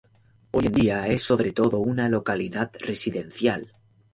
Hoy en día es sobre todo una localidad residencial.